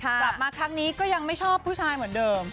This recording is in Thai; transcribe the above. กลับมาครั้งนี้ก็ยังไม่ชอบผู้ชายเหมือนเดิม